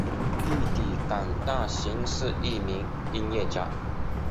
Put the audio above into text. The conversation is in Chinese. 弟弟港大寻是一名音乐家。